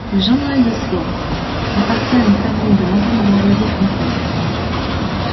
Jean Noël de Soye appartient à une famille de l'ancienne bourgeoise française.